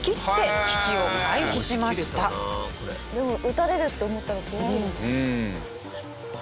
でも撃たれるって思ったら怖いよね。